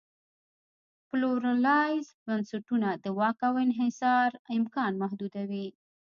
پلورالایز بنسټونه د واک دانحصار امکان محدودوي.